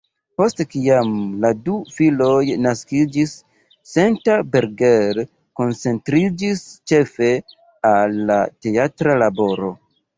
Post kiam la du filoj naskiĝis, Senta Berger koncentriĝis ĉefe al la teatra laboro.